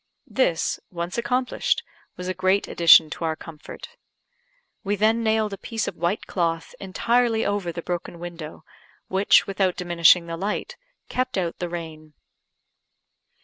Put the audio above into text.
This, once accomplished, was a great addition to our comfort. We then nailed a piece of white cloth entirely over the broken window, which, without diminishing the light, kept out the rain.